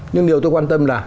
nhưng điều tôi quan tâm là